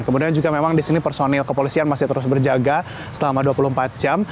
kemudian juga memang di sini personil kepolisian masih terus berjaga selama dua puluh empat jam